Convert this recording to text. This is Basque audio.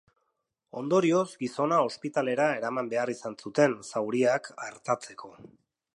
Ondorioz, gizona ospitalera eraman behar izan zuten, zauriak artatzeko.